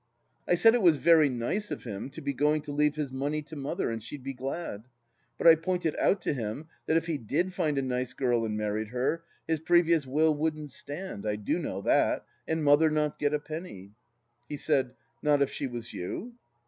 I said it was very nice of him to be going to leave his money to Mother, and she'd be glad ; but I pointed out to him that if he did find a nice girl and married her, his previous will wouldn't stand — I do ^ow that — and Mother not get a penny. He said :" Not if she was you